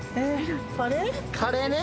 カレーね